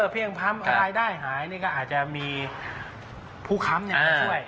เพียงค้ำมาให้รายได้หายก็อาจจะมีผู้ค้ำจะช่วย